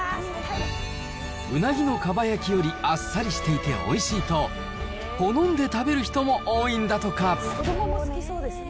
ウナギのかば焼きよりあっさりしていておいしいと、好んで食べる人も多いんだとか。